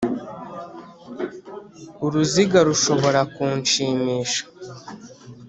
uruziga rushobora kunshimisha,